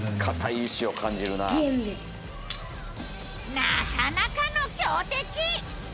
なかなかの強敵。